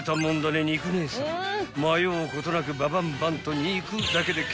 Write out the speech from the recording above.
［迷うことなくババンバンと肉だけで］